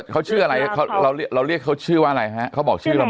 เขาชื่ออะไรเราเรียกเขาชื่อว่าอะไรฮะเขาบอกชื่อเราไหม